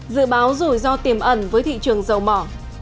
dự báo rủi ro tiềm ẩn với thị trường dầu mỏ